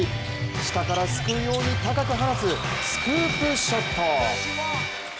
下から救うように高く放ち、スクープショット。